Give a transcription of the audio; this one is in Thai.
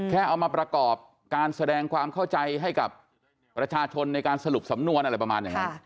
เอามาประกอบการแสดงความเข้าใจให้กับประชาชนในการสรุปสำนวนอะไรประมาณอย่างนั้น